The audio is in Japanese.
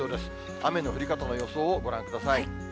雨の降り方の予想をご覧ください。